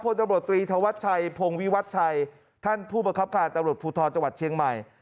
ตำรวจตรีธวัชชัยพงวิวัชชัยท่านผู้ประคับการตำรวจภูทรจังหวัดเชียงใหม่